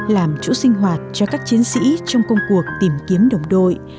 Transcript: làm chỗ sinh hoạt cho các chiến sĩ trong công cuộc tìm kiếm đồng đội